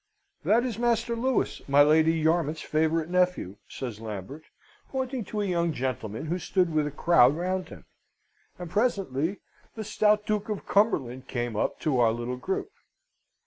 "That is Master Louis, my Lady Yarmouth's favourite nephew," says Lambert, pointing to a young gentleman who stood with a crowd round him; and presently the stout Duke of Cumberland came up to our little group.